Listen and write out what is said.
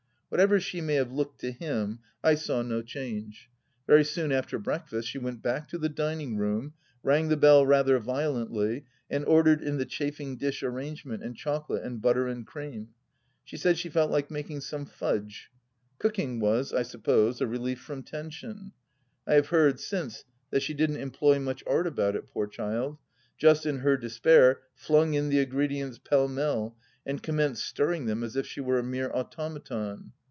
Whatever she may have looked to him, I saw no change. Very soon after breakfast she went back to the dining room, rang the bell rather violently, and ordered in the chafing dish arrangement and chocolate and butter and cream. She said she felt like making some " Fudge." Cooking was, I suppose, a relief from tension. I have heard since that she didn't employ much art about it — poor child ! just, in her despair, flung in the ingredients pell mell and commenced stirring them as if she were a mere automaton.